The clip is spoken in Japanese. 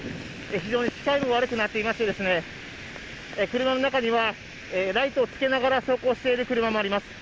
非常に視界も悪くなっていましてですね、車の中にはライトをつけながら走行している車もあります。